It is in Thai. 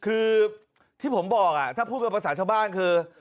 คือที่ผมบอกถ้าพูดเป็นภาษาชาวบ้านคือ